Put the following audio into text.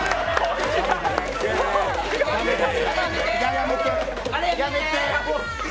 やめて。